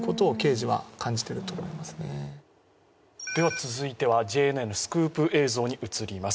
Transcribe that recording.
続いてはＪＮＮのスクープ映像にまいります。